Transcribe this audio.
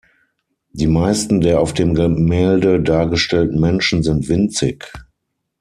Die meisten der auf dem Gemälde dargestellten Menschen sind winzig.